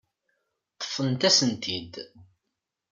Ṭṭfent-asent-t-id.